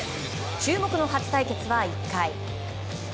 注目の初対決は１回。